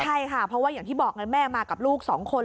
ใช่ค่ะเพราะว่าอย่างที่บอกไงแม่มากับลูกสองคน